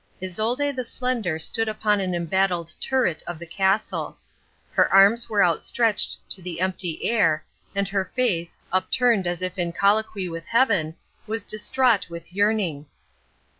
Isolde the Slender stood upon an embattled turret of the castle. Her arms were outstretched to the empty air, and her face, upturned as if in colloquy with heaven, was distraught with yearning.